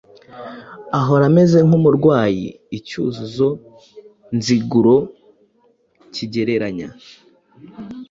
Ahora ameze nk’umurwayi icyuzuzo nziguro kigereranya